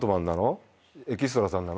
エキストラさんなの？」